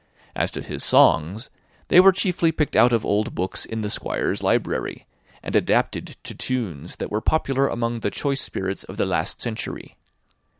As to his songs, they were chiefly picked out of old books in the Squire's library, and adapted to tunes that were popular among the choice spirits of the last century.